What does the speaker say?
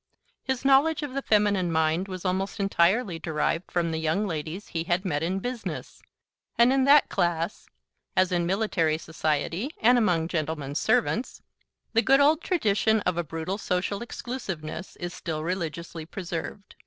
His knowledge of the feminine mind was almost entirely derived from the young ladies he had met in business, and in that class (as in military society and among gentlemen's servants) the good old tradition of a brutal social exclusiveness is still religiously preserved.